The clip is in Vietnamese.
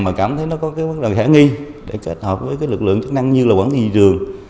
mà cảm thấy nó có cái khả nghi để kết hợp với cái lực lượng chức năng như là quản lý trường